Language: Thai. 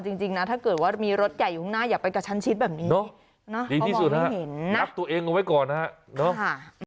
ดีที่สุดนะครับนับตัวเองลงไปก่อนนะครับ